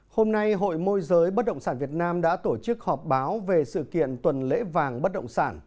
hôm nay hội môi giới bất động sản việt nam đã tổ chức họp báo về sự kiện tuần lễ vàng bất động sản